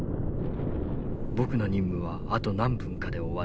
僕の任務はあと何分かで終わる。